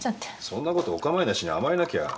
そんなことお構いなしに甘えなきゃ。